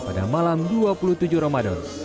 pada malam dua puluh tujuh ramadan